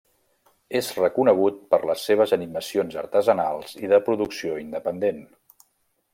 És reconegut per les seves animacions artesanals i de producció independent.